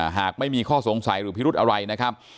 หากไม่มีข้อสงสัยหรือพิรุธอะไรนะครับ